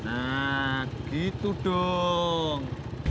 nah gitu dong